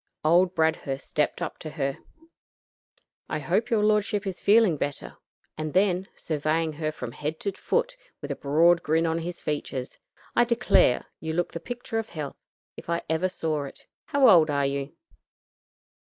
Old Bradhurst stepped up to her. "I hope your lordship is feeling better;" and then, surveying her from head to foot, with a broad grin on his features, "I declare, you look the picture of health, if I ever saw it. How old are you?"